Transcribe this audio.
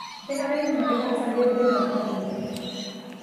Dena den, nabigatzaileek dena ukatu dute.